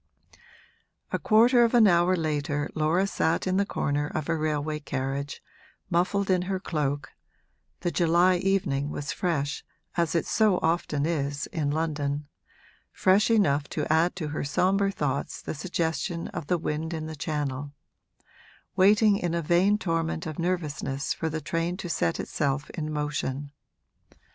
A quarter of an hour later Laura sat in the corner of a railway carriage, muffled in her cloak (the July evening was fresh, as it so often is in London fresh enough to add to her sombre thoughts the suggestion of the wind in the Channel), waiting in a vain torment of nervousness for the train to set itself in motion.